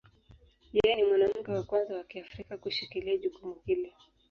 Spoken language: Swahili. Yeye ni mwanamke wa kwanza wa Kiafrika kushikilia jukumu hili.